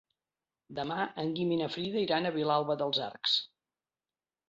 Demà en Guim i na Frida iran a Vilalba dels Arcs.